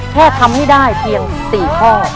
แค่ทำให้ได้เพียง๔ข้อ